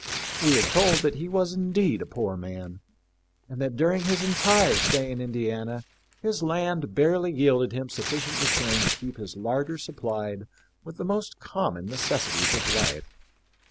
We are told that he was indeed a poor man, and that during his entire stay in Indi ana hig land barely yielded him sufficient return to keep his larder supplied with the most common necessities of life.